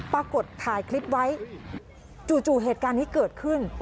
ปรากฏถ่ายคลิปไว้จู่เหตุการณ์นี้เกิดขึ้น